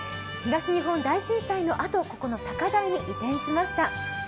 東日本大震災のあと、この高台に移転しました。